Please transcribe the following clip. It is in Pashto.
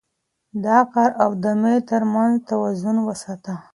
د کار او دمې ترمنځ توازن وساته